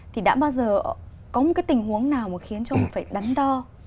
thì đã bao giờ có một cái tình huống nào mà khiến cho mình phải đắn đo